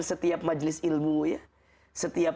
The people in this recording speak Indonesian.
setiap majelis ilmu ya setiap